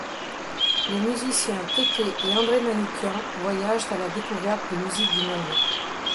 Les musiciens Tété et André Manoukian voyagent à la découverte des musiques du monde.